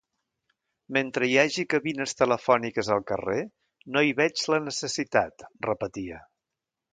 Mentre hi hagi cabines telefòniques al carrer, no hi veig la necessitat, repetia.